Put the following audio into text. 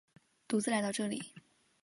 独自来到这里